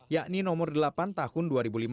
yakni nomor delapan tahun dua ribu lima belas